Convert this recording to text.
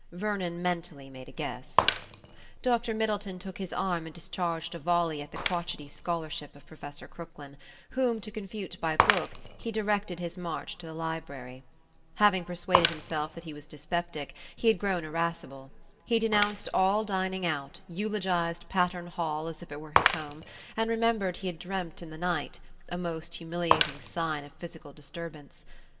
Vernon mentally made a guess. Dr Middleton took his arm and discharged a volley at the crotchetty scholarship of Professor Crooklyn, whom to confute by book, he directed his march to the library. Having persuaded himself that he was dyspeptic, he had grown irascible. He denounced all dining out, eulogized Patterne Hall as if it were his home, and remembered he had dreamed in the night a most humiliating sign of physical disturbance.